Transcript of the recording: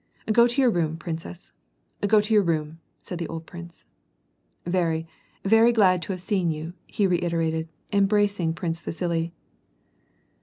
Go to your room, prin cess, go to your room," said the old prince. " Very, very glad to have seen you," he reiterated, embracing Prince Vasili.